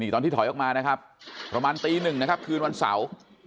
ตอนที่ถอยออกมานะครับประมาณตีหนึ่งนะครับคืนวันเสาร์